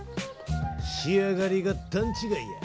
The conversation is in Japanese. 仕上がりが段違いや。